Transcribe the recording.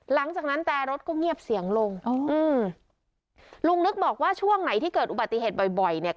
หลังจากนั้นแต่รถก็เงียบเสียงลงอ๋ออืมลุงนึกบอกว่าช่วงไหนที่เกิดอุบัติเหตุบ่อยบ่อยเนี่ย